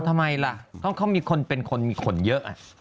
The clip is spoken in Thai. ทำไมล่ะเขามีคนเป็นคนมีขนเยอะ